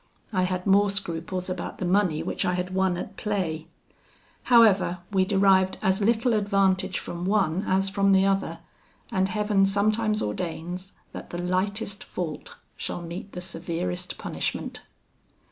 I had more scruples about the money which I had won at play. However, we derived as little advantage from one as from the other; and Heaven sometimes ordains that the lightest fault shall meet the severest punishment.